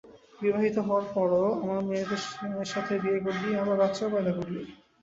বিবাহিত হওয়ার পরেও, আমাদের মেয়ের সাথে বিয়ে করলি, আবার বাচ্চাও পয়দা করলি!